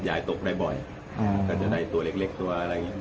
ตาวตาวตาวตาวตาวตาวกลุ่น